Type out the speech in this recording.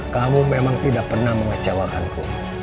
kamu memang tidak pernah mengecewakanku